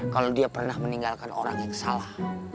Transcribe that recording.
kalau dia pernah meninggalkan orang yang salah